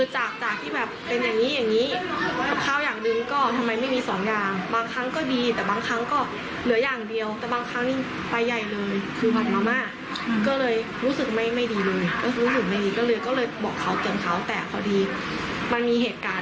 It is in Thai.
หน่วยงานที่เกี่ยวข้องไปตรวจสอบด้วยนะฮะ